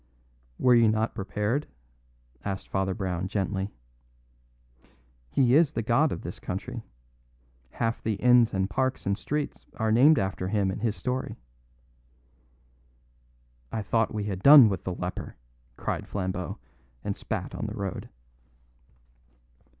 "Were you not prepared?" asked Father Brown gently. "He is the god of this country; half the inns and parks and streets are named after him and his story." "I thought we had done with the leper," cried Flambeau, and spat on the road.